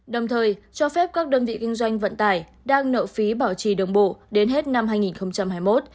đồng thời cho phép các đơn vị kinh doanh vận tải đang nợ phí bảo trì đường bộ đến hết năm hai nghìn hai mươi một